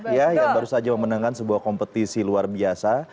ya yang baru saja memenangkan sebuah kompetisi luar biasa